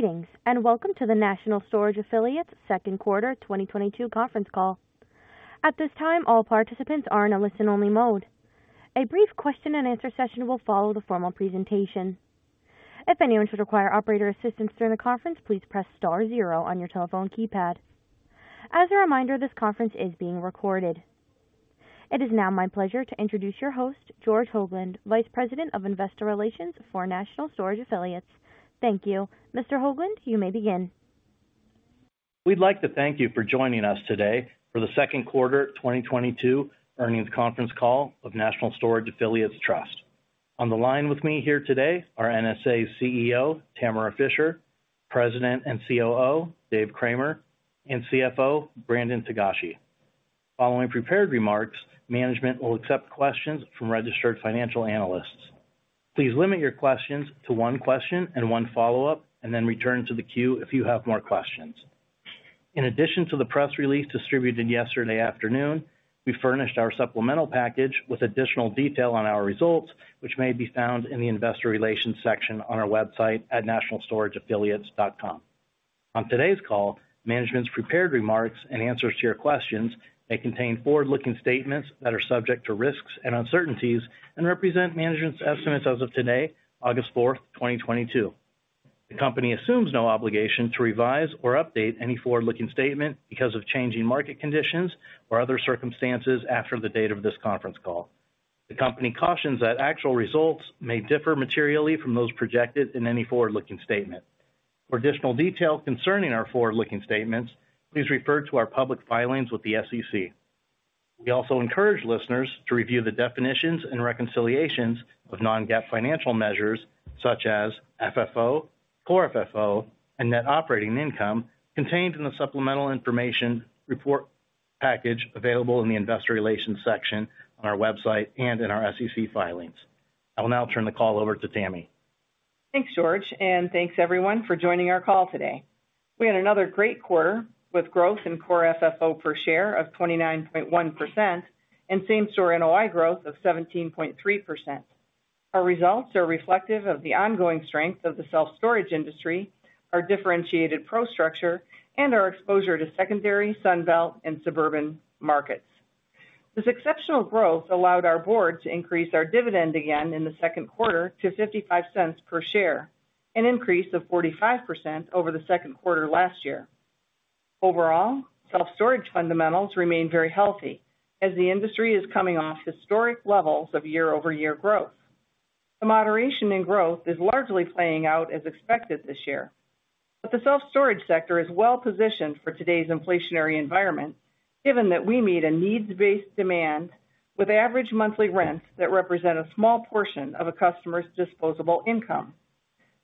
Greetings, and welcome to the National Storage Affiliates second quarter 2022 conference call. At this time, all participants are in a listen-only mode. A brief question and answer session will follow the formal presentation. If anyone should require operator assistance during the conference, please press star zero on your telephone keypad. As a reminder, this conference is being recorded. It is now my pleasure to introduce your host, George Hoglund, Vice President of Investor Relations for National Storage Affiliates. Thank you. Mr. Hoglund, you may begin. We'd like to thank you for joining us today for the second quarter 2022 earnings conference call of National Storage Affiliates Trust. On the line with me here today are NSA CEO, Tamara Fischer; President and COO, Dave Cramer; and CFO, Brandon Togashi. Following prepared remarks, management will accept questions from registered financial analysts. Please limit your questions to one question and one follow-up, and then return to the queue if you have more questions. In addition to the press release distributed yesterday afternoon, we furnished our supplemental package with additional detail on our results, which may be found in the Investor Relations section on our website at nationalstorageaffiliates.com. On today's call, management's prepared remarks and answers to your questions may contain forward-looking statements that are subject to risks and uncertainties and represent management's estimates as of today, August 4, 2022. The company assumes no obligation to revise or update any forward-looking statement because of changing market conditions or other circumstances after the date of this conference call. The company cautions that actual results may differ materially from those projected in any forward-looking statement. For additional detail concerning our forward-looking statements, please refer to our public filings with the SEC. We also encourage listeners to review the definitions and reconciliations of non-GAAP financial measures such as Core FFO, and net operating income contained in the supplemental information report package available in the Investor Relations section on our website and in our SEC filings. I will now turn the call over to Tammy. Thanks, George, and thanks everyone for joining our call today. We had another great quarter with growth Core FFO per share of 29.1% and same-store NOI growth of 17.3%. Our results are reflective of the ongoing strength of the self-storage industry, our differentiated PRO structure, and our exposure to secondary Sunbelt and suburban markets. This exceptional growth allowed our Board to increase our dividend again in the second quarter to $0.55 per share, an increase of 45% over the second quarter last year. Overall, self-storage fundamentals remain very healthy as the industry is coming off historic levels of year-over-year growth. The moderation in growth is largely playing out as expected this year. The self-storage sector is well-positioned for today's inflationary environment, given that we meet a needs-based demand with average monthly rents that represent a small portion of a customer's disposable income.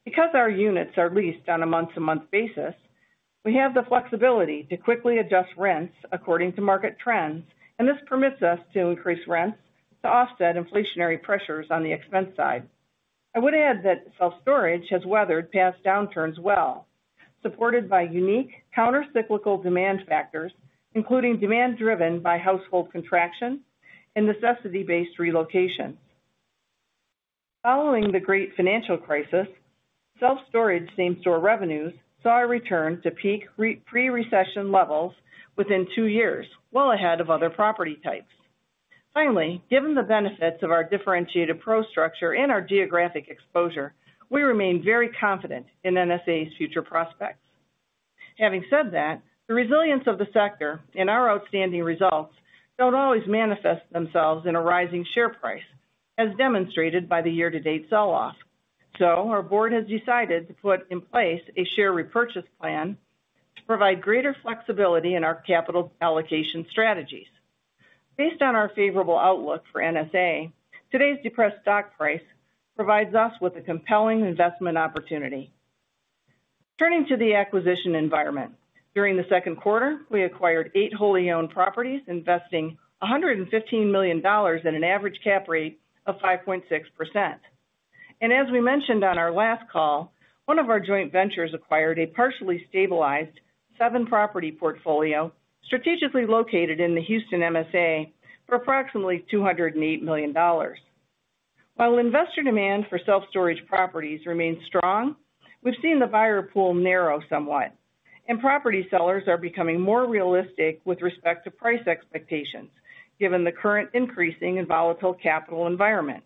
Because our units are leased on a month-to-month basis, we have the flexibility to quickly adjust rents according to market trends, and this permits us to increase rents to offset inflationary pressures on the expense side. I would add that self-storage has weathered past downturns well, supported by unique countercyclical demand factors, including demand driven by household contraction and necessity-based relocation. Following the great financial crisis, self-storage same-store revenues saw a return to peak pre-recession levels within two years, well ahead of other property types. Finally, given the benefits of our differentiated PRO structure and our geographic exposure, we remain very confident in NSA's future prospects. Having said that, the resilience of the sector and our outstanding results don't always manifest themselves in a rising share price, as demonstrated by the year-to-date sell-off. Our Board has decided to put in place a share repurchase plan to provide greater flexibility in our capital allocation strategies. Based on our favorable outlook for NSA, today's depressed stock price provides us with a compelling investment opportunity. Turning to the acquisition environment, during the second quarter, we acquired eight wholly owned properties, investing $115 million in an average cap rate of 5.6%. As we mentioned on our last call, one of our joint ventures acquired a partially stabilized seven-property portfolio strategically located in the Houston MSA for approximately $208 million. While investor demand for self-storage properties remains strong, we've seen the buyer pool narrow somewhat, and property sellers are becoming more realistic with respect to price expectations, given the current increasing and volatile capital environment.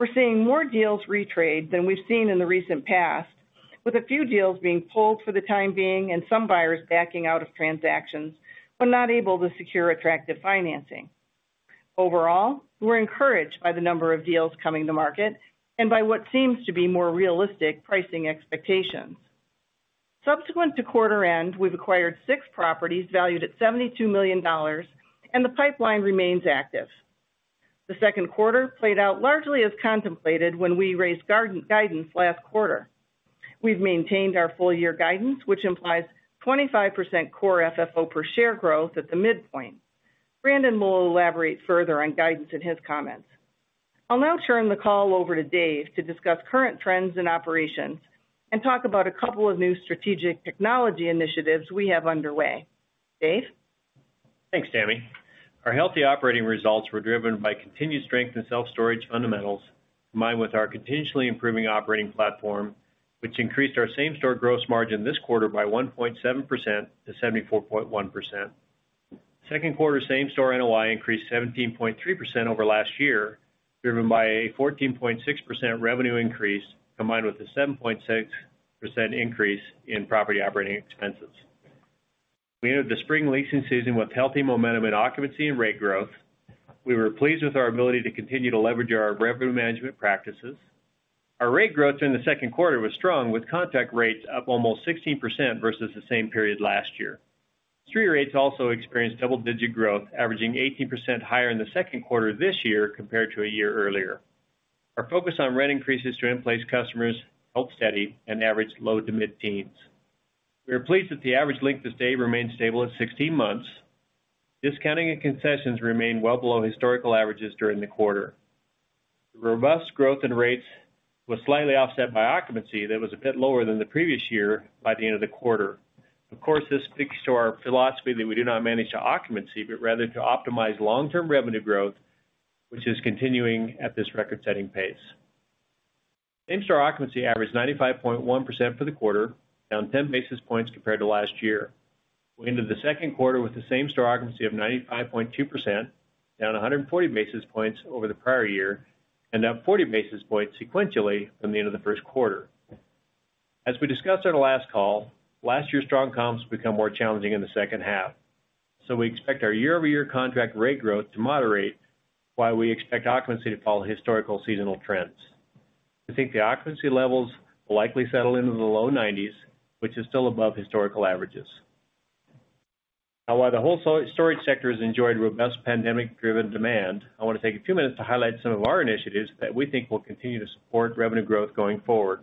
We're seeing more deals retrade than we've seen in the recent past, with a few deals being pulled for the time being and some buyers backing out of transactions, but not able to secure attractive financing. Overall, we're encouraged by the number of deals coming to market and by what seems to be more realistic pricing expectations. Subsequent to quarter end, we've acquired six properties valued at $72 million, and the pipeline remains active. The second quarter played out largely as contemplated when we raised guidance last quarter. We've maintained our full year guidance, which implies Core FFO per share growth at the midpoint. Brandon will elaborate further on guidance in his comments. I'll now turn the call over to Dave to discuss current trends in operations and talk about a couple of new strategic technology initiatives we have underway. Dave? Thanks, Tammy. Our healthy operating results were driven by continued strength in self-storage fundamentals, combined with our continuously improving operating platform, which increased our same-store gross margin this quarter by 1.7%-74.1%. Second quarter same-store NOI increased 17.3% over last year, driven by a 14.6% revenue increase, combined with a 7.6% increase in property operating expenses. We ended the spring leasing season with healthy momentum and occupancy and rate growth. We were pleased with our ability to continue to leverage our revenue management practices. Our rate growth in the second quarter was strong, with contact rates up almost 16% versus the same period last year. Street rates also experienced double-digit growth, averaging 18% higher in the second quarter this year compared to a year earlier. Our focus on rent increases to in-place customers held steady and averaged low to mid-teens. We are pleased that the average length of stay remained stable at 16 months. Discounting and concessions remained well below historical averages during the quarter. The robust growth in rates was slightly offset by occupancy that was a bit lower than the previous year by the end of the quarter. Of course, this speaks to our philosophy that we do not manage to occupancy, but rather to optimize long-term revenue growth, which is continuing at this record-setting pace. Same-store occupancy averaged 95.1% for the quarter, down 10 basis points compared to last year. We ended the second quarter with the same-store occupancy of 95.2%, down 140 basis points over the prior year, and down 40 basis points sequentially from the end of the first quarter. As we discussed on our last call, last year's strong comps become more challenging in the second half. We expect our year-over-year contract rate growth to moderate while we expect occupancy to follow historical seasonal trends. We think the occupancy levels will likely settle into the low 90s, which is still above historical averages. Now, while the whole storage sector has enjoyed robust pandemic-driven demand, I wanna take a few minutes to highlight some of our initiatives that we think will continue to support revenue growth going forward.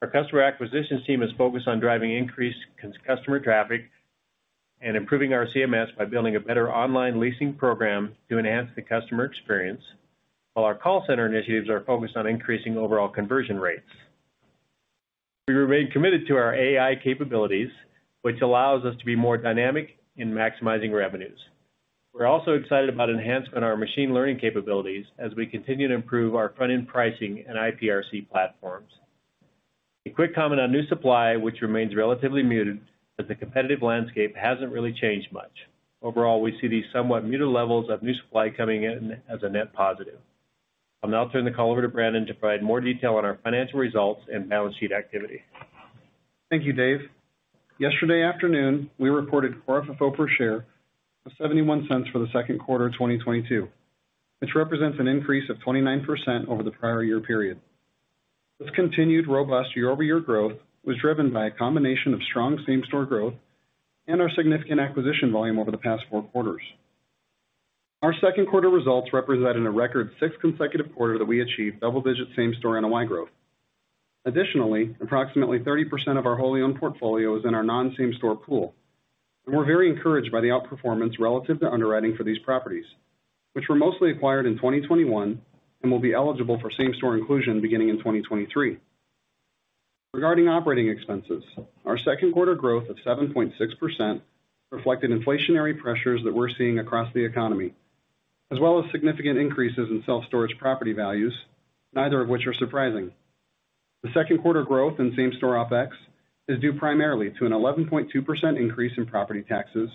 Our customer acquisitions team is focused on driving increased customer traffic and improving our CMS by building a better online leasing program to enhance the customer experience, while our call center initiatives are focused on increasing overall conversion rates. We remain committed to our AI capabilities, which allows us to be more dynamic in maximizing revenues. We're also excited about enhancement in our machine learning capabilities as we continue to improve our front-end pricing and IPRC platforms. A quick comment on new supply, which remains relatively muted as the competitive landscape hasn't really changed much. Overall, we see these somewhat muted levels of new supply coming in as a net positive. I'll now turn the call over to Brandon to provide more detail on our financial results and balance sheet activity. Thank you, Dave. Yesterday afternoon, we reported Core FFO per share of $0.71 for the second quarter of 2022, which represents an increase of 29% over the prior year period. This continued robust year-over-year growth was driven by a combination of strong same-store growth and our significant acquisition volume over the past four quarters. Our second quarter results represented a record sixth consecutive quarter that we achieved double-digit same-store NOI growth. Additionally, approximately 30% of our wholly owned portfolio is in our non-same store pool, and we're very encouraged by the outperformance relative to underwriting for these properties, which were mostly acquired in 2021 and will be eligible for same-store inclusion beginning in 2023. Regarding operating expenses, our second quarter growth of 7.6% reflected inflationary pressures that we're seeing across the economy, as well as significant increases in self-storage property values, neither of which are surprising. The second quarter growth in same-store OpEx is due primarily to an 11.2% increase in property taxes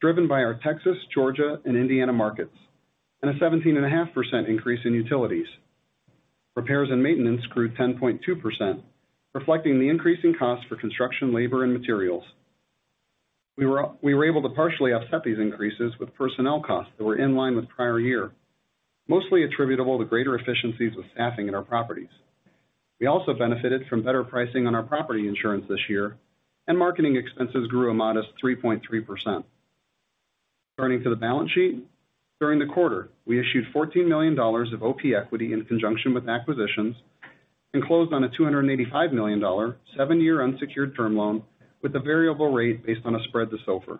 driven by our Texas, Georgia, and Indiana markets, and a 17.5% increase in utilities. Repairs and maintenance grew 10.2%, reflecting the increasing cost for construction, labor, and materials. We were able to partially offset these increases with personnel costs that were in line with prior year, mostly attributable to greater efficiencies with staffing in our properties. We also benefited from better pricing on our property insurance this year and marketing expenses grew a modest 3.3%. Turning to the balance sheet. During the quarter, we issued $14 million of OP equity in conjunction with acquisitions and closed on a $285 million seven-year unsecured term loan with a variable rate based on a spread to SOFR.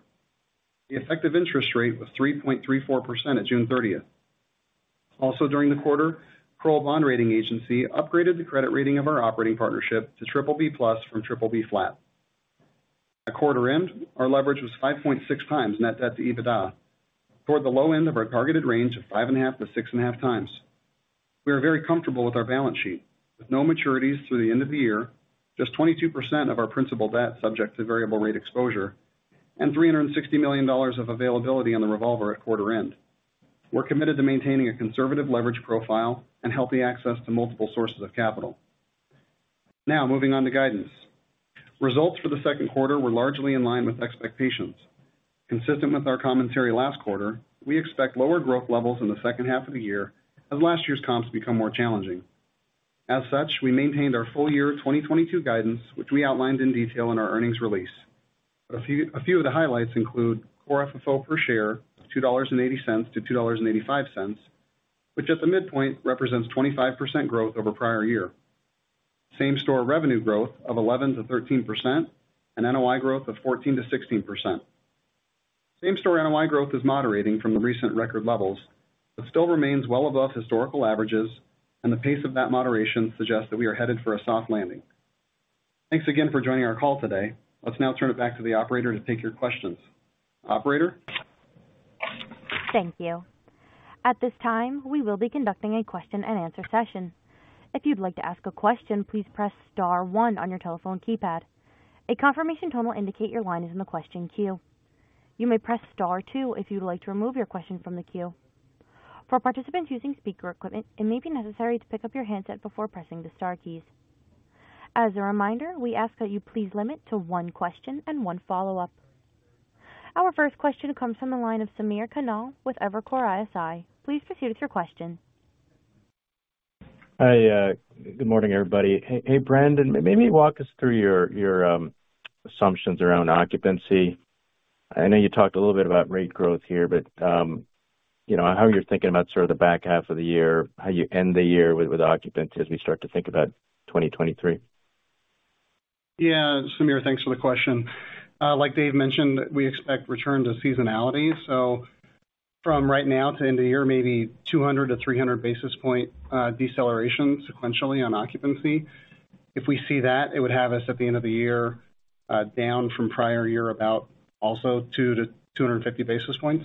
The effective interest rate was 3.34% at June 30th. Also during the quarter Kroll Bond Rating Agency upgraded the credit rating of our operating partnership to BBB+ from BBB flat. At quarter end, our leverage was 5.6x net debt to EBITDA, toward the low end of our targeted range of 5.5x-6.5x. We are very comfortable with our balance sheet, with no maturities through the end of the year, just 22% of our principal debt subject to variable rate exposure, and $360 million of availability on the revolver at quarter end. We're committed to maintaining a conservative leverage profile and healthy access to multiple sources of capital. Now moving on to guidance. Results for the second quarter were largely in line with expectations. Consistent with our commentary last quarter, we expect lower growth levels in the second half of the year as last year's comps become more challenging. As such, we maintained our full year 2022 guidance, which we outlined in detail in our earnings release. A few of the highlights Core FFO per share of $2.80-$2.85, which at the midpoint represents 25% growth over prior year. Same-store revenue growth of 11%-13% and NOI growth of 14%-16%. Same-store NOI growth is moderating from the recent record levels, but still remains well above historical averages, and the pace of that moderation suggests that we are headed for a soft landing. Thanks again for joining our call today. Let's now turn it back to the operator to take your questions. Operator? Thank you. At this time, we will be conducting a question and answer session. If you'd like to ask a question, please press star one on your telephone keypad. A confirmation tone will indicate your line is in the question queue. You may press star two if you'd like to remove your question from the queue. For participants using speaker equipment, it may be necessary to pick up your handset before pressing the star keys. As a reminder, we ask that you please limit to one question and one follow-up. Our first question comes from the line of Samir Khanal with Evercore ISI. Please proceed with your question. Hi, good morning, everybody. Hey, Brandon, maybe walk us through your assumptions around occupancy. I know you talked a little bit about rate growth here, but, you know, how you're thinking about sort of the back half of the year, how you end the year with occupancy as we start to think about 2023. Yeah. Samir, thanks for the question. Like Dave mentioned, we expect return to seasonality. From right now to end of the year, maybe 200-300 basis points deceleration sequentially on occupancy. If we see that, it would have us at the end of the year, down from prior year about also 200-250 basis points.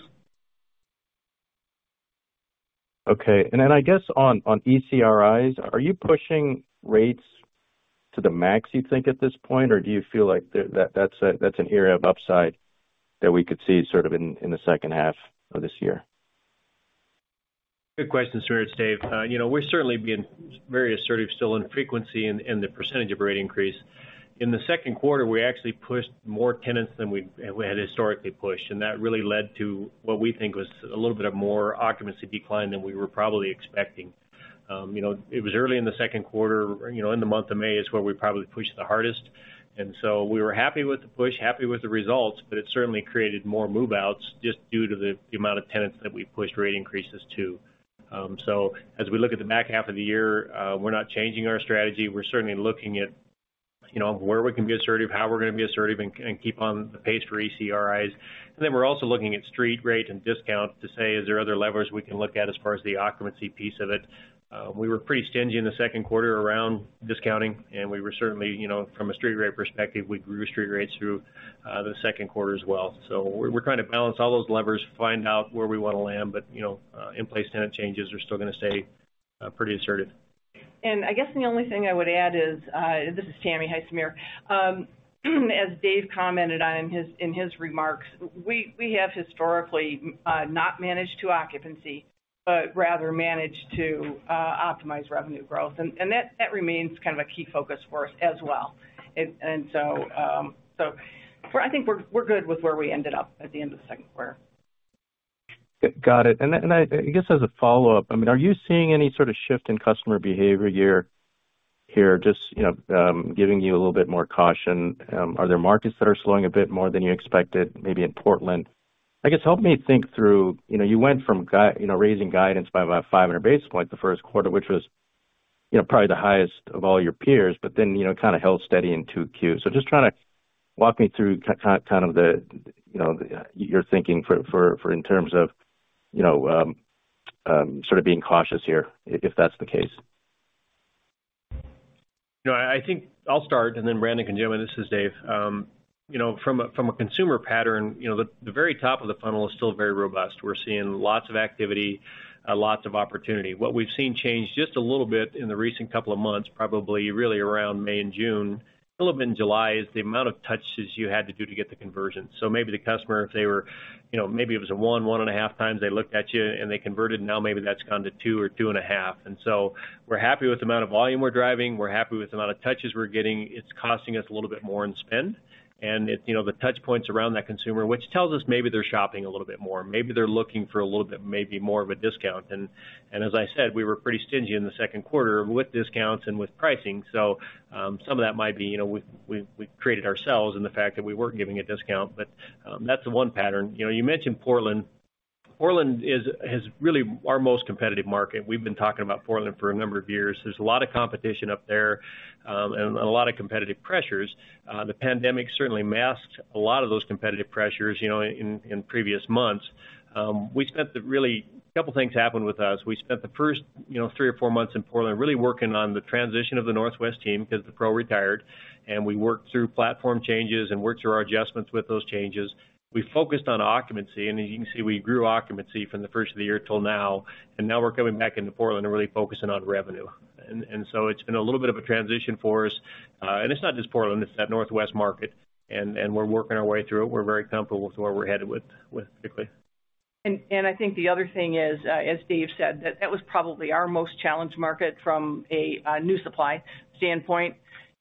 Okay. I guess on increases, are you pushing rates to the max you think at this point? Or do you feel like that's an area of upside that we could see sort of in the second half of this year? Good question, Samir. It's Dave. You know, we're certainly being very assertive still in frequency and the percentage of rate increase. In the second quarter, we actually pushed more tenants than we had historically pushed, and that really led to what we think was a little bit of more occupancy decline than we were probably expecting. You know, it was early in the second quarter, you know, in the month of May is where we probably pushed the hardest. We were happy with the push, happy with the results, but it certainly created more move-outs just due to the amount of tenants that we pushed rate increases to. So as we look at the back half of the year, we're not changing our strategy. We're certainly looking at, you know, where we can be assertive, how we're gonna be assertive and keep on the pace for ECRIs. We're also looking at street rate and discount to say, is there other levers we can look at as far as the occupancy piece of it? We were pretty stingy in the second quarter around discounting, and we were certainly, you know, from a street rate perspective, we grew street rates through the second quarter as well. We're trying to balance all those levers, find out where we wanna land, but, you know, in place tenant changes are still gonna stay pretty assertive. I guess the only thing I would add is this is Tammy. Hi, Samir. As Dave commented on in his remarks, we have historically not managed to occupancy, but rather managed to optimize revenue growth. That remains kind of a key focus for us as well. I think we're good with where we ended up at the end of the second quarter. Got it. I guess as a follow-up, I mean, are you seeing any sort of shift in customer behavior here just, you know, giving you a little bit more caution? Are there markets that are slowing a bit more than you expected, maybe in Portland? I guess help me think through, you know, you went from, you know, raising guidance by about 500 basis points the first quarter, which was, you know, probably the highest of all your peers, but then, you know, kind of held steady in 2Q. Just trying to walk me through kind of the, you know, your thinking for in terms of, you know, sort of being cautious here, if that's the case. No, I think I'll start, and then Brandon can jump in. This is Dave. You know, from a consumer pattern, you know, the very top of the funnel is still very robust. We're seeing lots of activity, lots of opportunity. What we've seen change just a little bit in the recent couple of months, probably really around May and June, a little bit in July, is the amount of touches you had to do to get the conversion. So maybe the customer, if they were, you know, maybe it was 1.5x they looked at you and they converted. Now maybe that's gone to two or 2.5. We're happy with the amount of volume we're driving. We're happy with the amount of touches we're getting. It's costing us a little bit more in spend and it's, you know, the touch points around that consumer, which tells us maybe they're shopping a little bit more. Maybe they're looking for a little bit, maybe more of a discount. As I said, we were pretty stingy in the second quarter with discounts and with pricing. Some of that might be, you know, we created ourselves and the fact that we weren't giving a discount, but that's the one pattern. You know, you mentioned Portland. Portland has really our most competitive market. We've been talking about Portland for a number of years. There's a lot of competition up there, and a lot of competitive pressures. The pandemic certainly masked a lot of those competitive pressures, you know, in previous months. We spent the really. A couple things happened with us. We spent the first, you know, three or four months in Portland really working on the transition of the Northwest team because the PRO retired, and we worked through platform changes and worked through our adjustments with those changes. We focused on occupancy, and as you can see, we grew occupancy from the first of the year till now, and now we're coming back into Portland and really focusing on revenue. It's been a little bit of a transition for us. It's not just Portland, it's that Northwest market and we're working our way through it. We're very comfortable with where we're headed with particularly. I think the other thing is, as Dave said, that was probably our most challenged market from a new supply standpoint.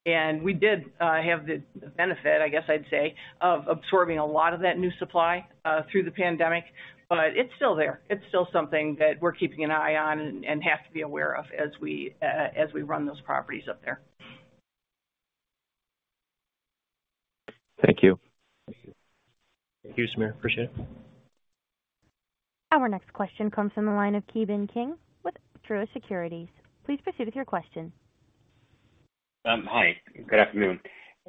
We did have the benefit, I guess I'd say, of absorbing a lot of that new supply through the pandemic, but it's still there. It's still something that we're keeping an eye on and have to be aware of as we run those properties up there. Thank you. Thank you, Samir. Appreciate it. Our next question comes from the line of Ki Bin Kim with Truist Securities. Please proceed with your question. Hi. Good afternoon.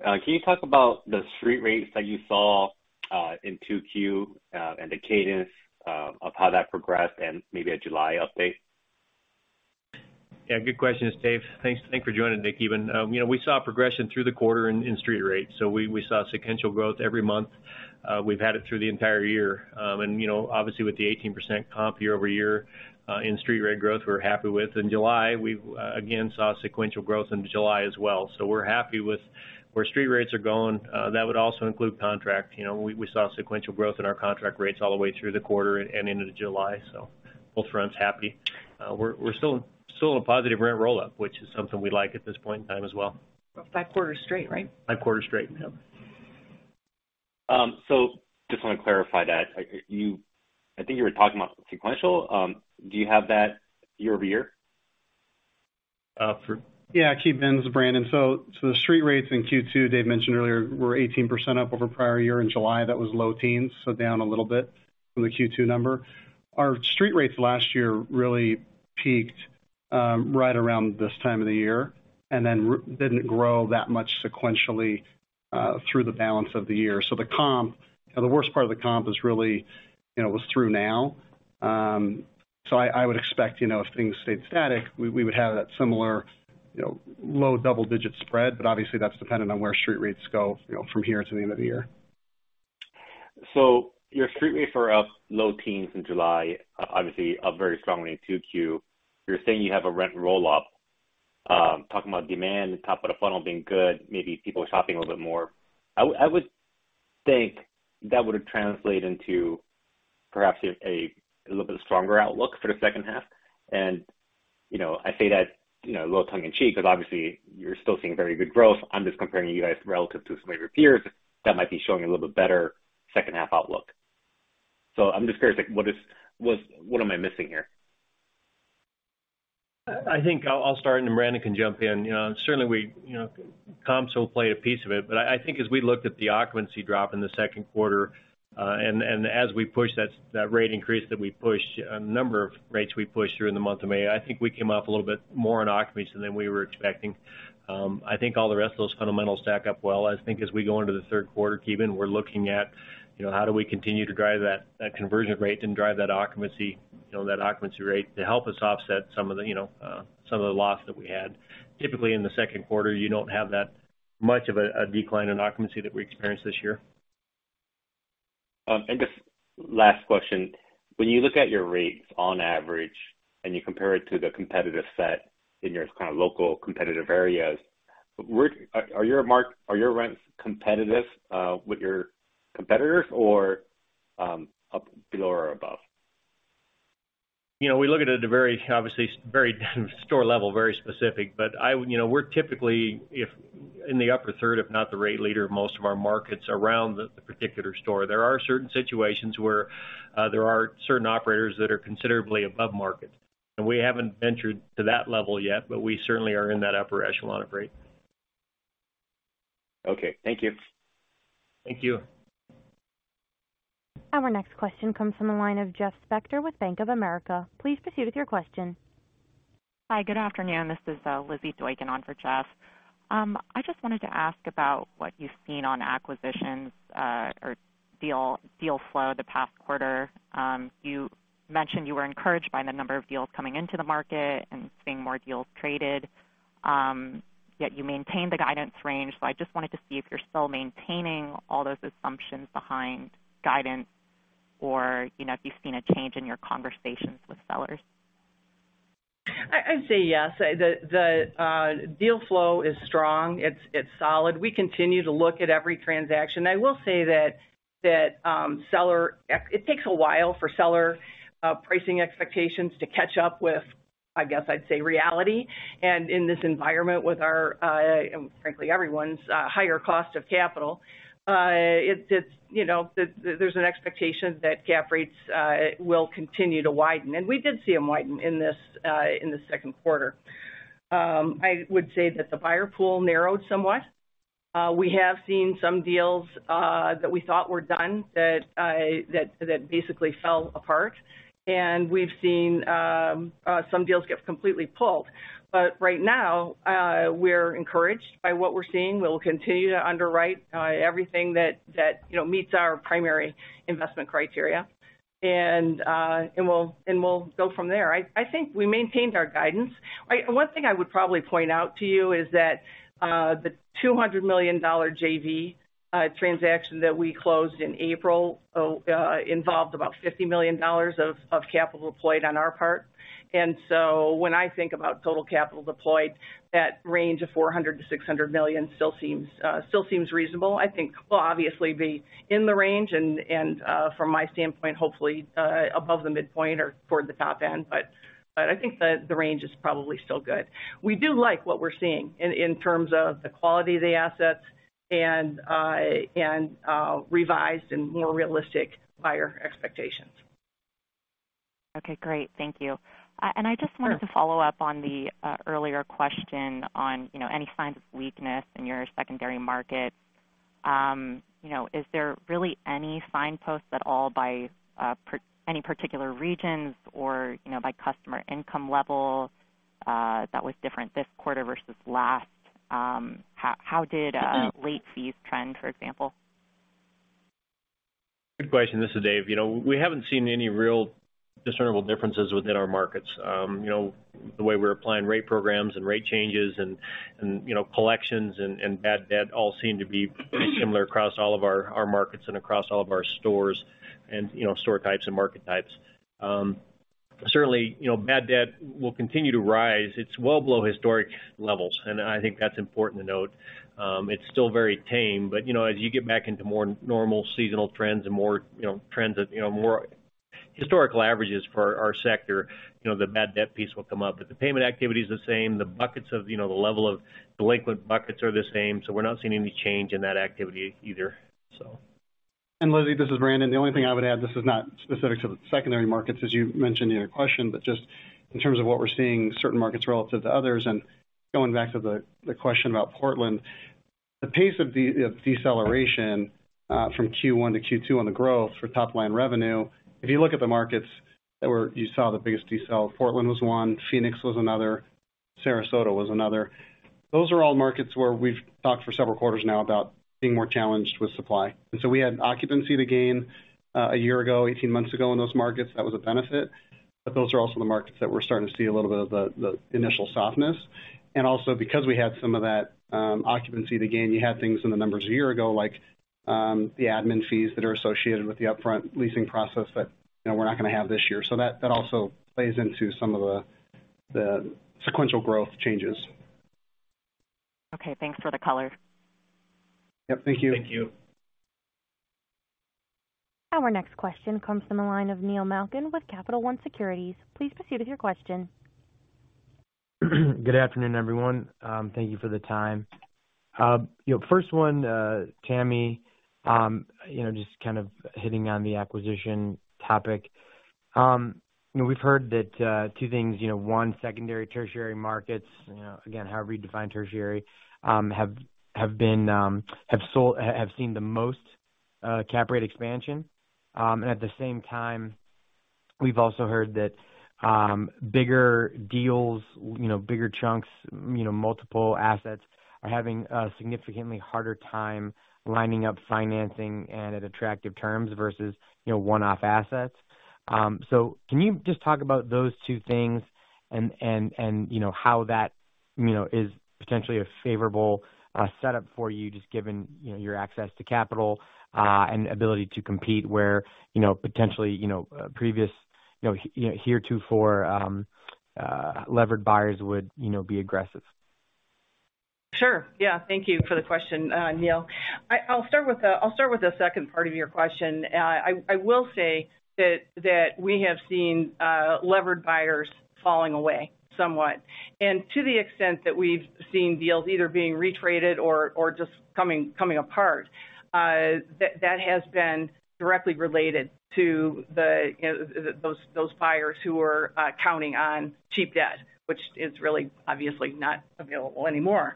Can you talk about the street rates that you saw in 2Q and the cadence of how that progressed and maybe a July update? Yeah, good question, Dave. Thanks. Thanks for joining, Ki Bin. You know, we saw progression through the quarter in street rates. We saw sequential growth every month. We've had it through the entire year. You know, obviously with the 18% comp year-over-year in street rate growth, we're happy with. In July, we again saw sequential growth in July as well. We're happy with where street rates are going. That would also include contract. You know, we saw sequential growth in our contract rates all the way through the quarter and into July. Both fronts happy. We're still a positive rent roll-up, which is something we like at this point in time as well. Five quarters straight, right? 5 quarters straight, yep. Just wanna clarify that. I think you were talking about sequential. Do you have that year-over-year? Uh, for- Yeah, Ki Bin, this is Brandon. The street rates in Q2, Dave mentioned earlier, were 18% up over prior year. In July, that was low teens, so down a little bit from the Q2 number. Our street rates last year really peaked right around this time of the year, and then didn't grow that much sequentially through the balance of the year. The comp, you know, the worst part of the comp is really, you know, was through now. I would expect, you know, if things stayed static, we would have that similar, you know, low double-digit spread, but obviously that's dependent on where street rates go, you know, from here to the end of the year. Your street rates are up low teens in July, obviously a very strongly 2Q. You're saying you have a rent roll-up. Talking about demand, top of the funnel being good, maybe people are shopping a little bit more. I would think that would translate into perhaps a little bit stronger outlook for the second half. You know, I say that, you know, a little tongue in cheek because obviously you're still seeing very good growth. I'm just comparing you guys relative to some of your peers that might be showing a little bit better second half outlook. I'm just curious, like what am I missing here? I think I'll start and then Brandon can jump in. You know, certainly we, you know, comps will play a piece of it. I think as we looked at the occupancy drop in the second quarter, and as we push that rate increase that we pushed, a number of rates we pushed during the month of May, I think we came up a little bit more on occupancy than we were expecting. I think all the rest of those fundamentals stack up well. I think as we go into the third quarter, Ki Bin, we're looking at, you know, how do we continue to drive that conversion rate and drive that occupancy, you know, that occupancy rate to help us offset some of the, you know, some of the loss that we had. Typically, in the second quarter, you don't have that much of a decline in occupancy that we experienced this year. Just last question. When you look at your rates on average, and you compare it to the competitive set in your kind of local competitive areas, where are your rents competitive with your competitors or up below or above? You know, we look at it at a very, obviously very store level, very specific. I would, you know, we're typically if in the upper third, if not the rate leader of most of our markets around the particular store. There are certain situations where there are certain operators that are considerably above market, and we haven't ventured to that level yet, but we certainly are in that upper echelon of rate. Okay, thank you. Thank you. Our next question comes from the line of Jeffrey Spector with Bank of America. Please proceed with your question. Hi, good afternoon. This is Lizzy Doykan on for Jeff. I just wanted to ask about what you've seen on acquisitions or deal flow the past quarter. You mentioned you were encouraged by the number of deals coming into the market and seeing more deals traded, yet you maintained the guidance range. I just wanted to see if you're still maintaining all those assumptions behind guidance or, you know, if you've seen a change in your conversations with sellers. I'd say yes. The deal flow is strong. It's solid. We continue to look at every transaction. I will say that it takes a while for seller pricing expectations to catch up with, I guess I'd say, reality. In this environment with our and frankly everyone's higher cost of capital, it's, you know, there's an expectation that cap rates will continue to widen. We did see them widen in this second quarter. I would say that the buyer pool narrowed somewhat. We have seen some deals that we thought were done that basically fell apart. We've seen some deals get completely pulled. Right now, we're encouraged by what we're seeing. We'll continue to underwrite everything that you know meets our primary investment criteria. We'll go from there. I think we maintained our guidance. One thing I would probably point out to you is that the $200 million JV transaction that we closed in April involved about $50 million of capital deployed on our part. When I think about total capital deployed, that range of $400 million-$600 million still seems reasonable. I think we'll obviously be in the range and from my standpoint, hopefully above the midpoint or toward the top end. I think the range is probably still good. We do like what we're seeing in terms of the quality of the assets and revised and more realistic buyer expectations. Okay, great. Thank you. Sure. I just wanted to follow up on the earlier question on, you know, any signs of weakness in your secondary market. You know, is there really any signposts at all by any particular regions or, you know, by customer income level, that was different this quarter versus last? How did late fees trend, for example? Good question. This is Dave. You know, we haven't seen any real discernible differences within our markets. You know, the way we're applying rate programs and rate changes and, you know, collections and bad debt all seem to be similar across all of our markets and across all of our stores and, you know, store types and market types. Certainly, you know, bad debt will continue to rise. It's well below historic levels, and I think that's important to note. It's still very tame, but, you know, as you get back into more normal seasonal trends and more, you know, trends that, you know, more historical averages for our sector, you know, the bad debt piece will come up. But the payment activity is the same. The buckets of, you know, the level of delinquent buckets are the same, so we're not seeing any change in that activity either, so. Lizzy, this is Brandon. The only thing I would add, this is not specific to the secondary markets, as you mentioned in your question, but just in terms of what we're seeing certain markets relative to others, and going back to the question about Portland. The pace of the deceleration from Q1 to Q2 on the growth for top line revenue, if you look at the markets that were. You saw the biggest decel, Portland was one, Phoenix was another, Sarasota was another. Those are all markets where we've talked for several quarters now about being more challenged with supply. And so we had occupancy to gain, a year ago, 18 months ago in those markets. That was a benefit. But those are also the markets that we're starting to see a little bit of the initial softness. Because we had some of that, occupancy to gain, you had things in the numbers a year ago, like, the admin fees that are associated with the upfront leasing process that, you know, we're not gonna have this year. That also plays into some of the sequential growth changes. Okay, thanks for the color. Yep, thank you. Thank you. Our next question comes from the line of Neil Malkin with Capital One Securities. Please proceed with your question. Good afternoon, everyone. Thank you for the time. You know, first one, Tammy, you know, just kind of hitting on the acquisition topic. You know, we've heard that two things, you know, one, secondary, tertiary markets, you know, again, however you define tertiary, have seen the most cap rate expansion. At the same time, we've also heard that bigger deals, you know, bigger chunks, you know, multiple assets are having a significantly harder time lining up financing and at attractive terms versus, you know, one-off assets. Can you just talk about those two things and you know how that you know is potentially a favorable setup for you just given you know your access to capital and ability to compete where you know potentially you know previously you know heretofore levered buyers would you know be aggressive? Sure. Yeah, thank you for the question, Neil. I'll start with the second part of your question. I will say that we have seen levered buyers falling away somewhat. To the extent that we've seen deals either being retraded or just coming apart, that has been directly related to the, you know, those buyers who are counting on cheap debt, which is really obviously not available anymore.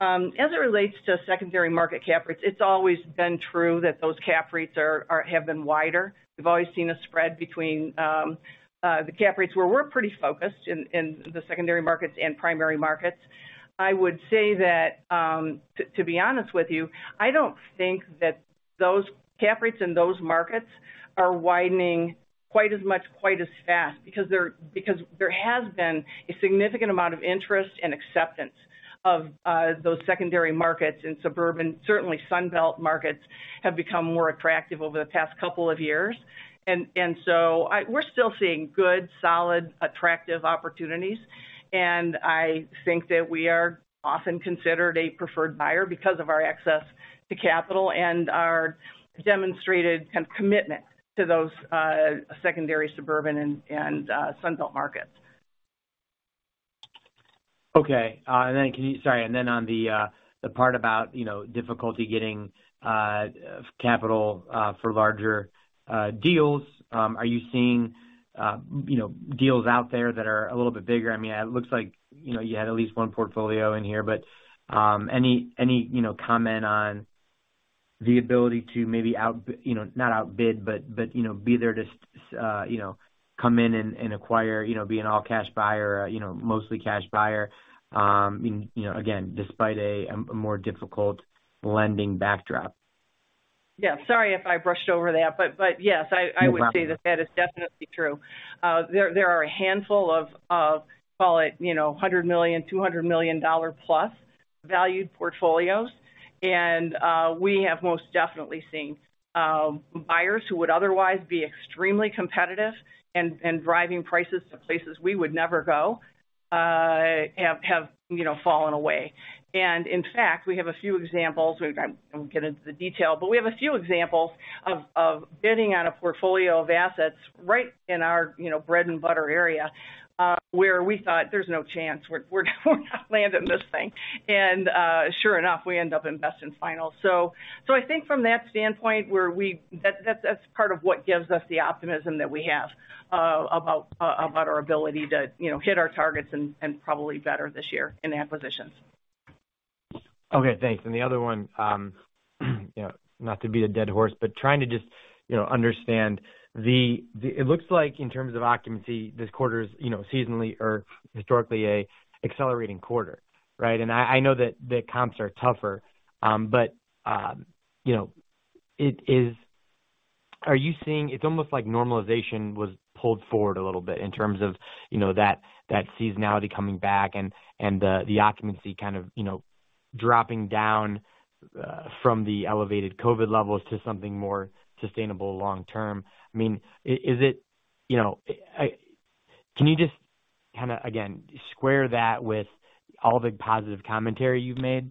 As it relates to secondary market cap rates, it's always been true that those cap rates have been wider. We've always seen a spread between the cap rates where we're pretty focused in the secondary markets and primary markets. I would say that, to be honest with you, I don't think that those cap rates in those markets are widening quite as much, quite as fast because there has been a significant amount of interest and acceptance of those secondary markets in suburban. Certainly, Sunbelt markets have become more attractive over the past couple of years. We're still seeing good, solid, attractive opportunities. I think that we are often considered a preferred buyer because of our access to capital and our demonstrated commitment to those secondary suburban and Sunbelt markets. Okay. On the part about, you know, difficulty getting capital for larger deals, are you seeing, you know, deals out there that are a little bit bigger? I mean, it looks like, you know, you had at least one portfolio in here, but any comment on the ability to maybe, you know, not outbid, but be there to come in and acquire, you know, be an all-cash buyer, you know, mostly cash buyer, you know, again, despite a more difficult lending backdrop. Yeah. Sorry if I brushed over that, but yes. No problem. I would say that is definitely true. There are a handful of, call it, you know, $100 million-$200 million plus valued portfolios. We have most definitely seen buyers who would otherwise be extremely competitive and driving prices to places we would never go, you know, have fallen away. In fact, we have a few examples. I won't get into the detail, but we have a few examples of bidding on a portfolio of assets right in our, you know, bread and butter area, where we thought there's no chance. We're not landing this thing. Sure enough, we end up investing finally. I think from that standpoint where we That's part of what gives us the optimism that we have about our ability to, you know, hit our targets and probably better this year in acquisitions. Okay, thanks. The other one, you know, not to beat a dead horse, but trying to just, you know, understand the. It looks like in terms of occupancy, this quarter is, you know, seasonally or historically an accelerating quarter, right? I know that the comps are tougher, but, you know, it is. Are you seeing? It's almost like normalization was pulled forward a little bit in terms of, you know, that seasonality coming back and the occupancy kind of, you know, dropping down from the elevated COVID levels to something more sustainable long term. I mean, is it, you know. I can you just kind of, again, square that with all the positive commentary you've made,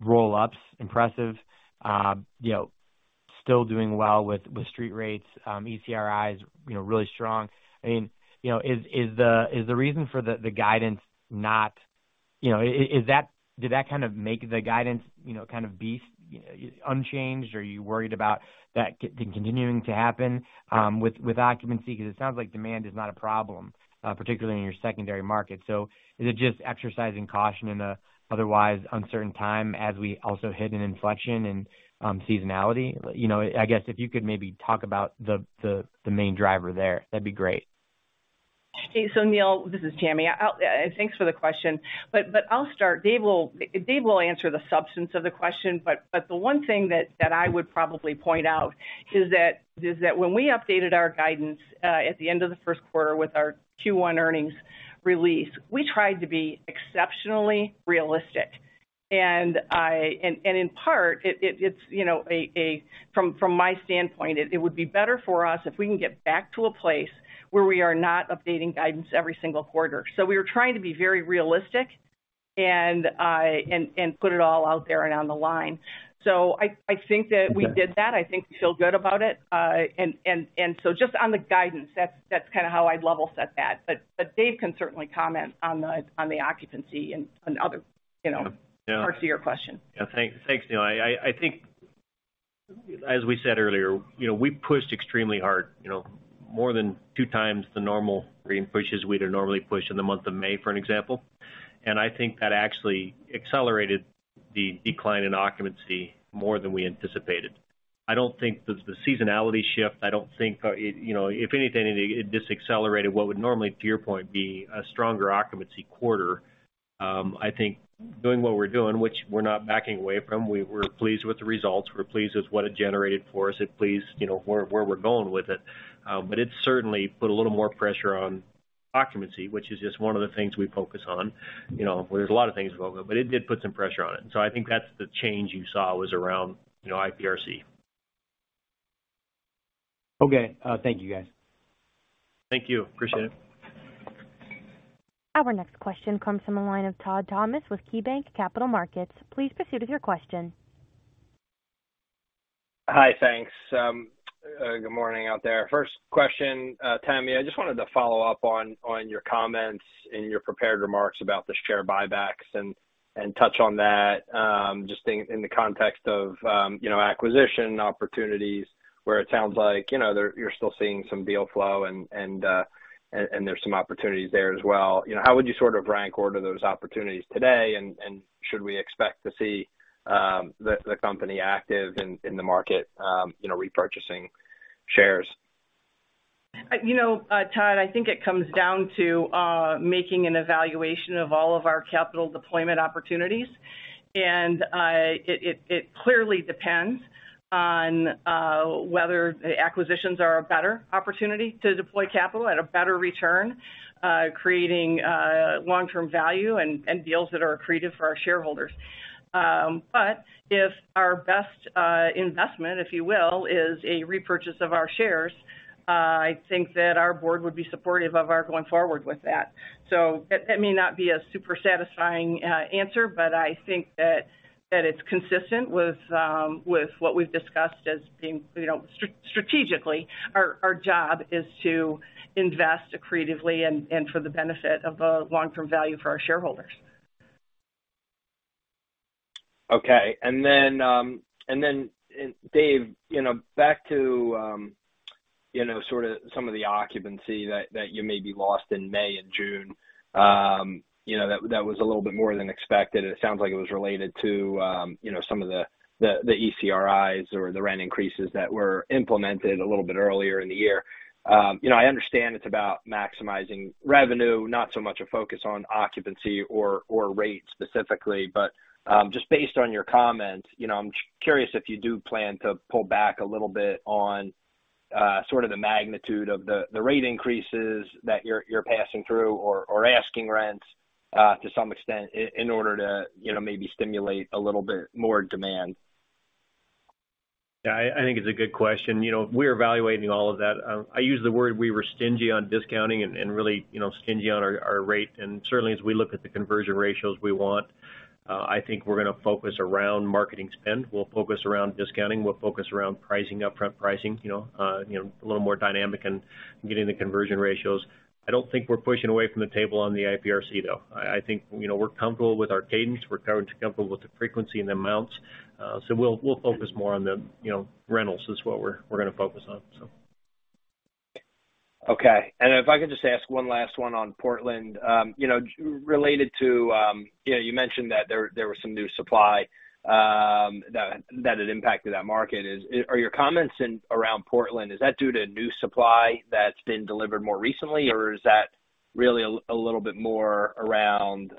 roll ups impressive, you know, still doing well with street rates, ECRIs, you know, really strong. I mean, you know, is the reason for the guidance not, you know. Did that kind of make the guidance, you know, kind of be unchanged? Are you worried about that continuing to happen with occupancy? Because it sounds like demand is not a problem, particularly in your secondary market. Is it just exercising caution in an otherwise uncertain time as we also hit an inflection in seasonality? You know, I guess if you could maybe talk about the main driver there. That'd be great. Neil, this is Tammy. Thanks for the question. I'll start. Dave will answer the substance of the question, but the one thing that I would probably point out is that when we updated our guidance at the end of the first quarter with our Q1 earnings release, we tried to be exceptionally realistic. In part, it is, you know, from my standpoint, it would be better for us if we can get back to a place where we are not updating guidance every single quarter. We were trying to be very realistic and put it all out there and on the line. I think that we did that. I think we feel good about it. Just on the guidance, that's kinda how I'd level set that. Dave can certainly comment on the occupancy and other, you know, parts of your question. Yeah. Thanks. Thanks, Neil. I think as we said earlier, you know, we pushed extremely hard, you know, more than 2x the normal rent pushes we'd normally push in the month of May, for example. I think that actually accelerated the decline in occupancy more than we anticipated. I don't think that the seasonality shift, you know, if anything, it decelerated what would normally, to your point, be a stronger occupancy quarter. I think doing what we're doing, which we're not backing away from, we're pleased with the results, we're pleased with what it generated for us. It pleased, you know, where we're going with it. But it certainly put a little more pressure on occupancy, which is just one of the things we focus on. You know, there's a lot of things involved, but it did put some pressure on it. I think that's the change you saw was around, you know, IPRC. Okay. Thank you, guys. Thank you. Appreciate it. Our next question comes from the line of Todd Thomas with KeyBanc Capital Markets. Please proceed with your question. Hi, thanks. Good morning out there. First question, Tammy, I just wanted to follow up on your comments in your prepared remarks about the share buybacks and touch on that, just in the context of you know, acquisition opportunities where it sounds like you know, you're still seeing some deal flow and there's some opportunities there as well. You know, how would you sort of rank order those opportunities today? And should we expect to see the company active in the market you know, repurchasing shares? You know, Todd, I think it comes down to making an evaluation of all of our capital deployment opportunities. It clearly depends on whether the acquisitions are a better opportunity to deploy capital at a better return, creating long-term value and deals that are accretive for our shareholders. But if our best investment, if you will, is a repurchase of our shares, I think that our Board would be supportive of our going forward with that. That may not be a super satisfying answer, but I think that it's consistent with what we've discussed as being, you know, strategically, our job is to invest accretively and for the benefit of a long-term value for our shareholders. Okay. Dave, you know, back to, you know, sort of some of the occupancy that you maybe lost in May and June, you know, that was a little bit more than expected. It sounds like it was related to, you know, some of the ECRIs or the rent increases that were implemented a little bit earlier in the year. You know, I understand it's about maximizing revenue, not so much a focus on occupancy or rate specifically. Just based on your comment, you know, I'm curious if you do plan to pull back a little bit on, sort of the magnitude of the rate increases that you're passing through or asking rents, to some extent in order to, you know, maybe stimulate a little bit more demand. Yeah, I think it's a good question. You know, we're evaluating all of that. I use the word we were stingy on discounting and really, you know, stingy on our rate. Certainly, as we look at the conversion ratios we want, I think we're gonna focus around marketing spend. We'll focus around discounting. We'll focus around pricing, upfront pricing, you know, a little more dynamic and getting the conversion ratios. I don't think we're pushing away from the table on the IPRC, though. I think, you know, we're comfortable with our cadence. We're comfortable with the frequency and the amounts. We'll focus more on the, you know, rentals is what we're gonna focus on. Okay. If I could just ask one last one on Portland. You know, related to, you know, you mentioned that there was some new supply that had impacted that market. Are your comments around Portland, is that due to new supply that's been delivered more recently, or is that really a little bit more around,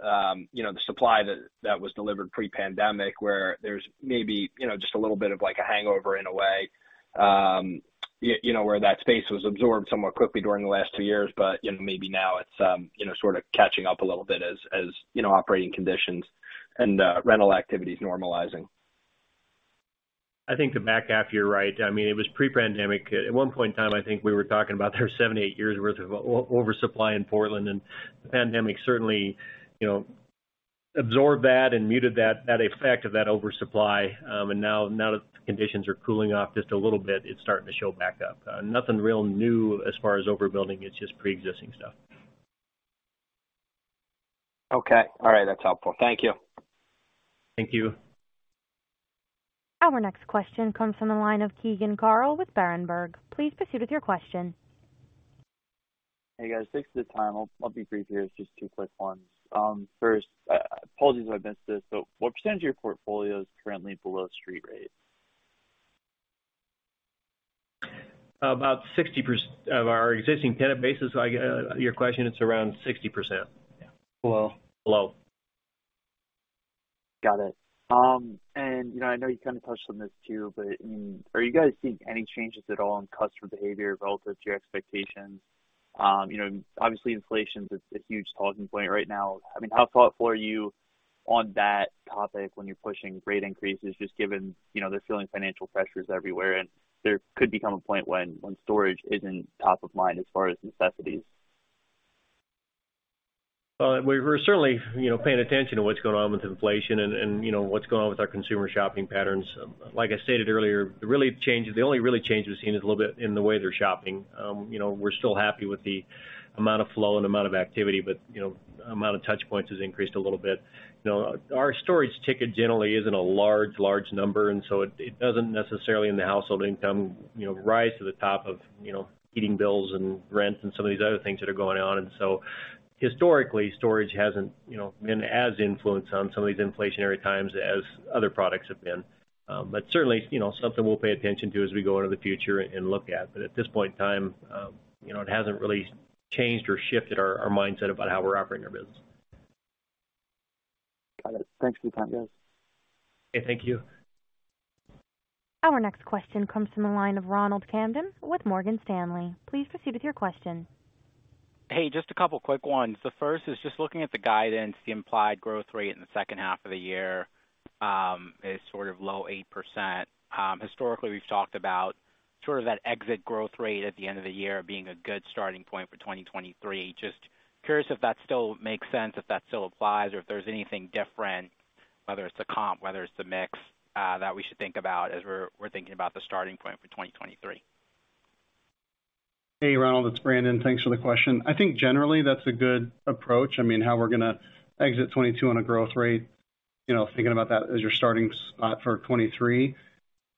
you know, the supply that was delivered pre-pandemic, where there's maybe, you know, just a little bit of like a hangover in a way, you know, where that space was absorbed somewhat quickly during the last two years. You know, maybe now it's, you know, sort of catching up a little bit as, you know, operating conditions and rental activity is normalizing. I think the back half, you're right. I mean, it was pre-pandemic. At one point in time, I think we were talking about there was 78 years worth of over supply in Portland, and the pandemic certainly, you know, absorbed that and muted that effect of that oversupply. Now that conditions are cooling off just a little bit, it's starting to show back up. Nothing real new as far as overbuilding, it's just pre-existing stuff. Okay. All right, that's helpful. Thank you. Thank you. Our next question comes from the line of Keegan Carl with Berenberg. Please proceed with your question. Hey, guys. Thanks for the time. I'll be brief here. It's just two quick ones. First, apologies if I missed this. What percentage of your portfolio is currently below street rate? About 60% of our existing tenant bases. I get your question, it's around 60%. Below? Below. Got it. You know, I know you kind of touched on this too, but, I mean, are you guys seeing any changes at all in customer behavior relative to your expectations? You know, obviously inflation's a huge talking point right now. I mean, how thoughtful are you on that topic when you're pushing rate increases just given, you know, they're feeling financial pressures everywhere, and there could become a point when storage isn't top of mind as far as necessities. Well, we're certainly, you know, paying attention to what's going on with inflation and, you know, what's going on with our consumer shopping patterns. Like I stated earlier, the only real change we've seen is a little bit in the way they're shopping. You know, we're still happy with the amount of flow and amount of activity, but, you know, amount of touch points has increased a little bit. You know, our storage ticket generally isn't a large number, and so it doesn't necessarily in the household income, you know, rise to the top of, you know, heating bills and rent and some of these other things that are going on. Historically, storage hasn't, you know, been as influenced on some of these inflationary times as other products have been. Certainly, you know, something we'll pay attention to as we go into the future and look at. At this point in time, you know, it hasn't really changed or shifted our mindset about how we're operating our business. Got it. Thanks for your time, guys. Okay. Thank you. Our next question comes from the line of Ronald Kamdem with Morgan Stanley. Please proceed with your question. Hey, just a couple quick ones. The first is just looking at the guidance, the implied growth rate in the second half of the year is sort of low 8%. Historically, we've talked about sort of that exit growth rate at the end of the year being a good starting point for 2023. Just curious if that still makes sense, if that still applies or if there's anything different, whether it's the comp, whether it's the mix, that we should think about as we're thinking about the starting point for 2023. Hey, Ronald, it's Brandon. Thanks for the question. I think generally that's a good approach. I mean, how we're gonna exit 2022 on a growth rate, you know, thinking about that as your starting spot for 2023.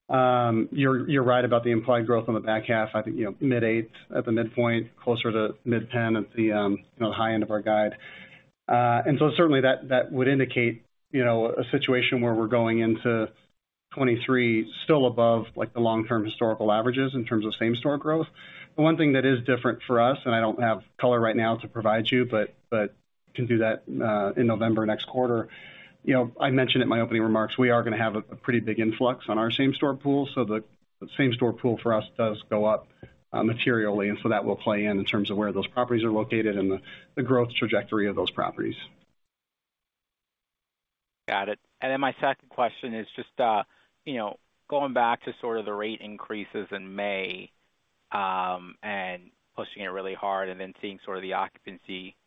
You're right about the implied growth on the back half. I think, you know, mid-8% at the midpoint, closer to mid-10% at the high end of our guide. Certainly that would indicate, you know, a situation where we're going into 2023 still above like the long term historical averages in terms of same store growth. The one thing that is different for us, and I don't have color right now to provide you, but can do that in November next quarter. You know, I mentioned in my opening remarks, we are gonna have a pretty big influx on our same store pool. The same store pool for us does go up materially, and that will play in terms of where those properties are located and the growth trajectory of those properties. Got it. My second question is just, you know, going back to sort of the rate increases in May, and pushing it really hard and then seeing sort of the occupancy respond.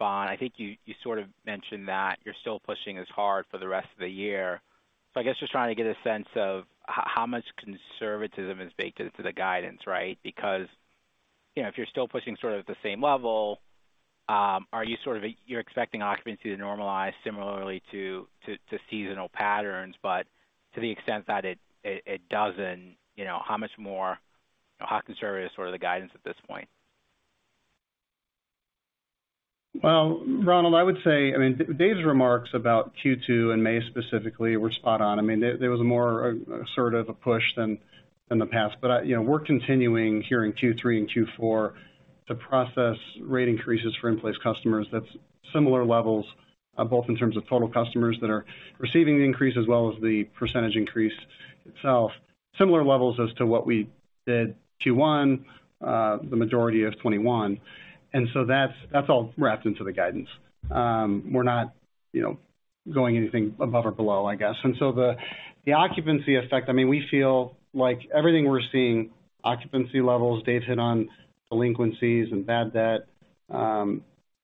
I think you sort of mentioned that you're still pushing as hard for the rest of the year. I guess just trying to get a sense of how much conservatism is baked into the guidance, right? Because, you know, if you're still pushing sort of at the same level, are you expecting occupancy to normalize similarly to seasonal patterns, but to the extent that it doesn't, you know, how much more, how conservative is sort of the guidance at this point? Well, Ronald, I would say, I mean, Dave's remarks about Q2 and May specifically were spot on. I mean, there was a more assertive push than the past. You know, we're continuing here in Q3 and Q4 to process rate increases for in-place customers. That's similar levels, both in terms of total customers that are receiving the increase as well as the percentage increase itself. Similar levels as to what we did Q1, the majority of 2021, that's all wrapped into the guidance. We're not, you know, going anything above or below, I guess. The occupancy effect, I mean, we feel like everything we're seeing, occupancy levels, Dave hit on delinquencies and bad debt,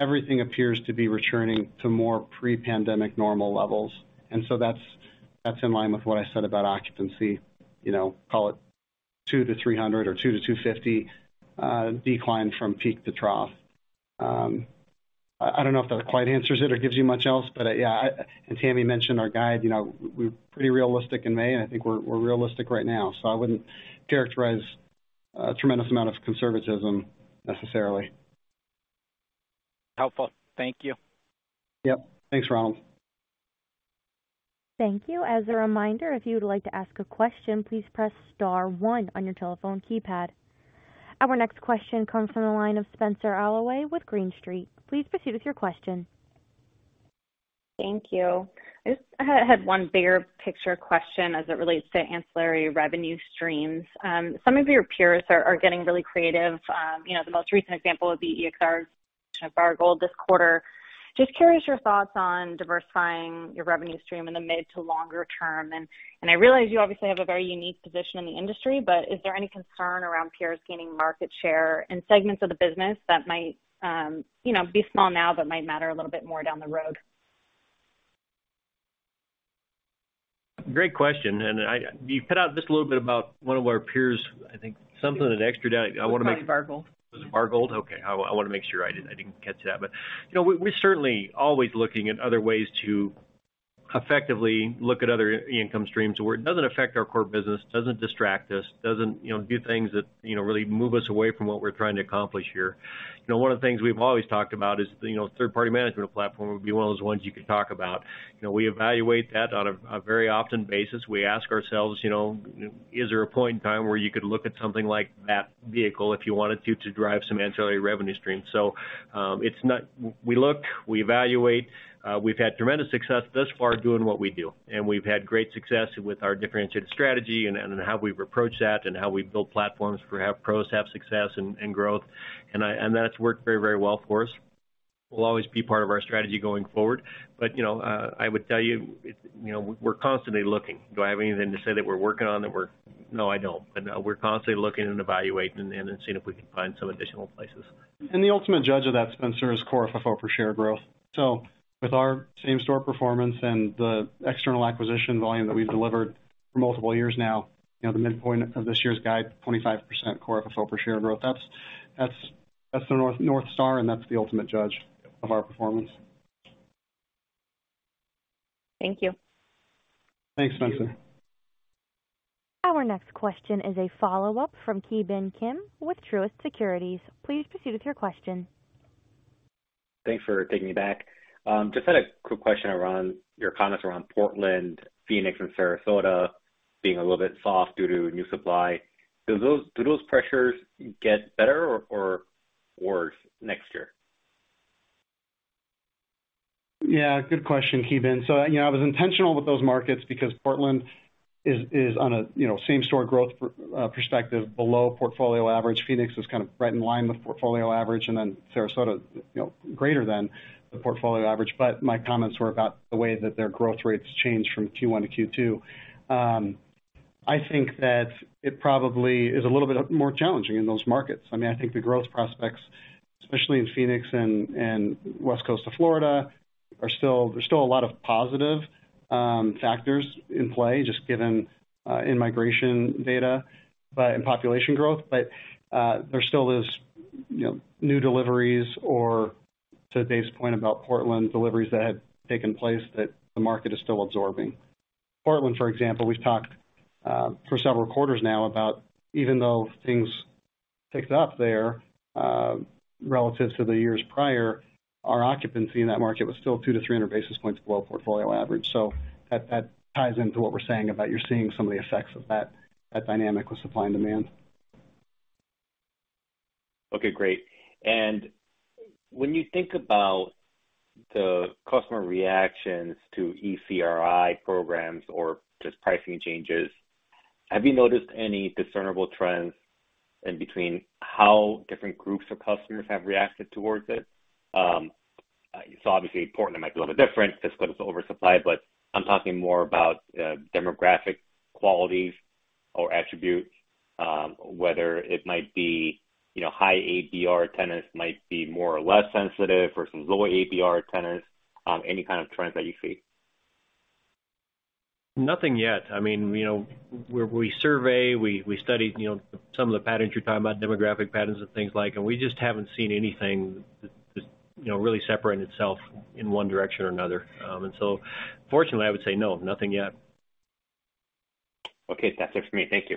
everything appears to be returning to more pre-pandemic normal levels. That's in line with what I said about occupancy, you know, call it 200-300 or 200-250 decline from peak to trough. I don't know if that quite answers it or gives you much else. Yeah, and Tammy mentioned our guidance, you know, we're pretty realistic in May, and I think we're realistic right now, so I wouldn't characterize a tremendous amount of conservatism necessarily. Helpful. Thank you. Yep. Thanks, Ronald. Thank you. As a reminder, if you would like to ask a question, please press star one on your telephone keypad. Our next question comes from the line of Spenser Allaway with Green Street. Please proceed with your question. Thank you. I just had one bigger picture question as it relates to ancillary revenue streams. Some of your peers are getting really creative. You know, the most recent example would be EXR's of Bargold this quarter. Just curious your thoughts on diversifying your revenue stream in the mid to longer term. I realize you obviously have a very unique position in the industry, but is there any concern around peers gaining market share in segments of the business that might, you know, be small now but might matter a little bit more down the road? Great question, you put out just a little bit about one of our peers. I think something on Extra. I wanna make- Bargold. Was it Bargold? Okay. I wanna make sure I did. I didn't catch that. You know, we're certainly always looking at other ways to effectively look at other income streams, where it doesn't affect our core business, doesn't distract us, you know, do things that, you know, really move us away from what we're trying to accomplish here. You know, one of the things we've always talked about is, you know, third-party management platform would be one of those ones you could talk about. You know, we evaluate that on a very often basis. We ask ourselves, you know, is there a point in time where you could look at something like that vehicle if you wanted to to drive some ancillary revenue streams? We look, we evaluate. We've had tremendous success thus far doing what we do. We've had great success with our differentiated strategy and how we've approached that and how we build platforms for PROs to have success and growth. And that's worked very, very well for us. It will always be part of our strategy going forward. You know, I would tell you know, we're constantly looking. Do I have anything to say that we're working on? No, I don't. We're constantly looking and evaluating and seeing if we can find some additional places. The ultimate judge of that, Spenser, Core FFO per share growth. With our same-store performance and the external acquisition volume that we've delivered for multiple years now, you know, the midpoint of this year's guide, Core FFO per share growth, that's the North Star, and that's the ultimate judge of our performance. Thank you. Thanks, Spenser. Our next question is a follow-up from Ki Bin Kim with Truist Securities. Please proceed with your question. Thanks for taking me back. Just had a quick question around your comments around Portland, Phoenix and Sarasota being a little bit soft due to new supply. Do those pressures get better or worse next year? Yeah, good question, Ki Bin. So, you know, I was intentional with those markets because Portland is on a, you know, same-store growth perspective below portfolio average. Phoenix is kind of right in line with portfolio average, and then Sarasota, you know, greater than the portfolio average. My comments were about the way that their growth rates change from Q1 to Q2. I think that it probably is a little bit more challenging in those markets. I mean, I think the growth prospects, especially in Phoenix and West Coast of Florida, are still. There's still a lot of positive factors in play, just given in-migration data, but in population growth. There still is, you know, new deliveries or to Dave's point about Portland deliveries that have taken place that the market is still absorbing. Portland, for example, we've talked for several quarters now about even though things picked up there, relative to the years prior, our occupancy in that market was still 200-300 basis points below portfolio average. That ties into what we're saying about you're seeing some of the effects of that dynamic with supply and demand. Okay, great. When you think about the customer reactions to ECRI programs or just pricing changes, have you noticed any discernible trends in between how different groups of customers have reacted towards it? Obviously Portland might be a little bit different just because it's oversupply, but I'm talking more about demographic qualities or attributes, whether it might be, you know, high APR tenants might be more or less sensitive or some lower APR tenants, any kind of trends that you see. Nothing yet. I mean, you know, we survey, we studied, you know, some of the patterns you're talking about, demographic patterns and things like, and we just haven't seen anything that, you know, really separate itself in one direction or another. Fortunately, I would say no, nothing yet. Okay, that's it for me. Thank you.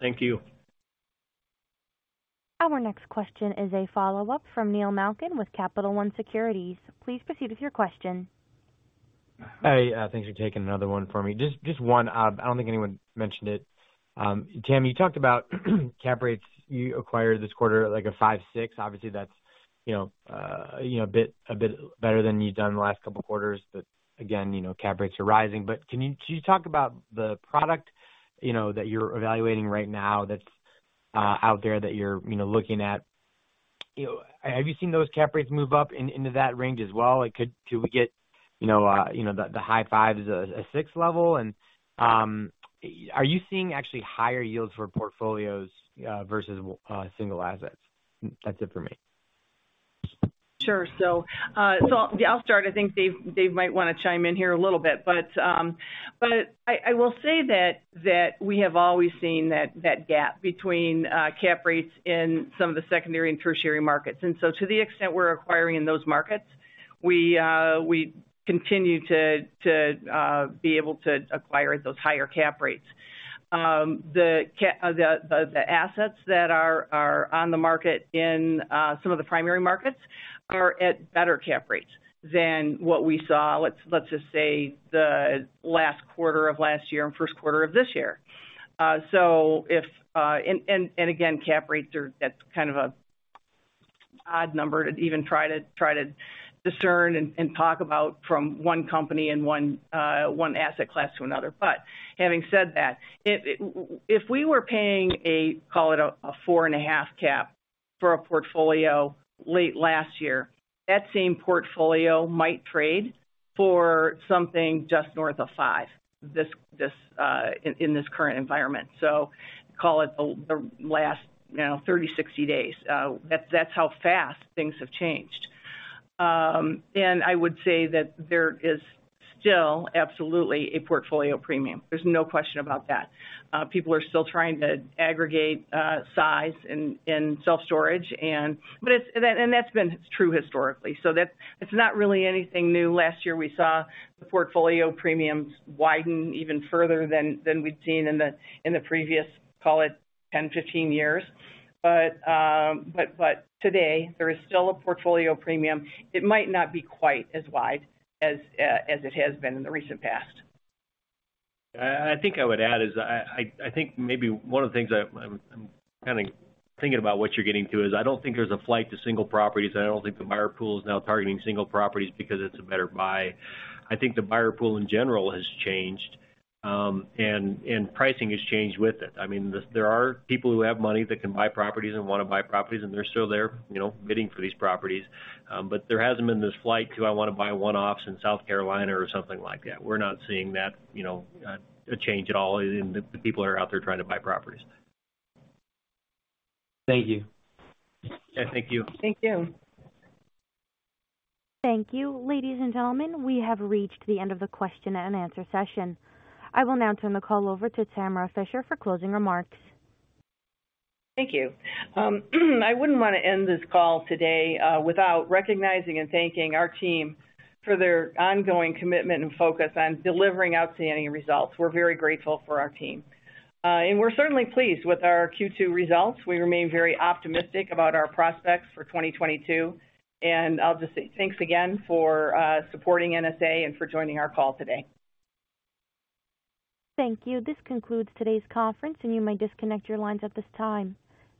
Thank you. Our next question is a follow-up from Neil Malkin with Capital One Securities. Please proceed with your question. Hey, thanks for taking another one for me. Just one. I don't think anyone mentioned it. Tammy, you talked about cap rates you acquired this quarter, like a 5.6. Obviously, that's, you know, a bit better than you've done the last couple of quarters. Again, you know, cap rates are rising. Can you talk about the product, you know, that you're evaluating right now that's out there that you're, you know, looking at? You know, have you seen those cap rates move up into that range as well? Like, should we get, you know, the high fives, a six level? And are you seeing actually higher yields for portfolios versus single assets? That's it for me. Sure. So I'll start. I think Dave might wanna chime in here a little bit, but I will say that we have always seen that gap between cap rates in some of the secondary and tertiary markets. To the extent we're acquiring in those markets, we continue to be able to acquire those higher cap rates. The assets that are on the market in some of the primary markets are at better cap rates than what we saw, let's just say the last quarter of last year and first quarter of this year. Again, cap rates are. That's kind of an odd number to even try to discern and talk about from one company and one asset class to another. Having said that, if we were paying, call it a 4.5 cap for a portfolio late last year, that same portfolio might trade for something just north of five in this current environment. Call it the last, you know, 30, 60 days, that's how fast things have changed. I would say that there is still absolutely a portfolio premium. There's no question about that. People are still trying to aggregate size in self-storage, and that's been true historically. That's not really anything new. Last year, we saw the portfolio premiums widen even further than we'd seen in the previous, call it 10, 15 years. Today there is still a portfolio premium. It might not be quite as wide as it has been in the recent past. I think I would add is I think maybe one of the things I'm kind of thinking about what you're getting to is I don't think there's a flight to single properties. I don't think the buyer pool is now targeting single properties because it's a better buy. I think the buyer pool in general has changed, and pricing has changed with it. I mean, there are people who have money that can buy properties and wanna buy properties, and they're still there, you know, bidding for these properties. There hasn't been this flight to, "I wanna buy one-offs in South Carolina," or something like that. We're not seeing that, you know, a change at all in the people that are out there trying to buy properties. Thank you. Yeah, thank you. Thank you. Thank you. Ladies and gentlemen, we have reached the end of the question and answer session. I will now turn the call over to Tamara Fischer for closing remarks. Thank you. I wouldn't wanna end this call today without recognizing and thanking our team for their ongoing commitment and focus on delivering outstanding results. We're very grateful for our team. We're certainly pleased with our Q2 results. We remain very optimistic about our prospects for 2022, and I'll just say thanks again for supporting NSA and for joining our call today. Thank you. This concludes today's conference, and you may disconnect your lines at this time.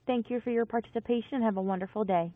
Thank you for your participation. Have a wonderful day.